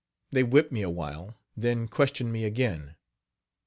They whipped me a while, then questioned me again.